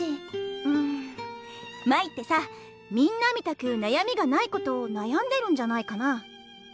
うん舞ってさみんなみたく悩みがないことを悩んでるんじゃないかな？